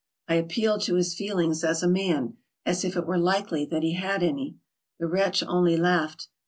I appealed to his feelings as a man, as if it were likely that he had any. The wretch only laughed.